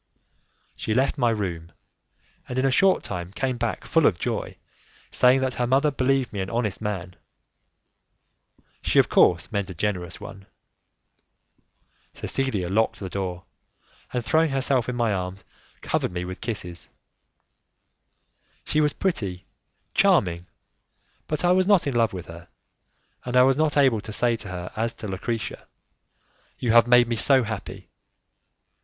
She left my room, and in a short time came back full of joy, saying that her mother believed me an honest man; she of course meant a generous one. Cecilia locked the door, and throwing herself in my arms covered me with kisses. She was pretty, charming, but I was not in love with her, and I was not able to say to her as to Lucrezia: "You have made me so happy!"